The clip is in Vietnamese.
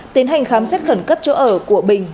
tiến hành khám xét khẩn cấp chỗ ở của bình